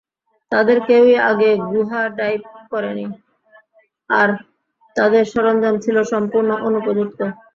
তাদের কেউই আগে গুহা ডাইভ করেনি আর তাদের সরঞ্জাম ছিল সম্পূর্ণ অনুপযুক্ত।